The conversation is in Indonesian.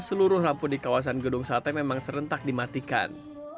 seluruh lampu di kawasan gedung sate memang serentak dimatikan